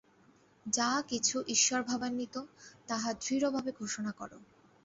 যাহা কিছু ঈশ্বরভাবান্বিত, তাহা দৃঢ়ভাবে ঘোষণা কর।